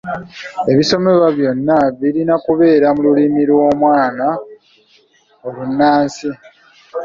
Ebisomesebwa byonna birina kubeera mu lulimi lw’omwana olunnansi.